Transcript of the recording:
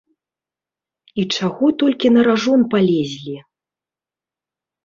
І чаго толькі на ражон палезлі?